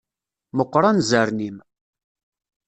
Meqqer anzaren-im.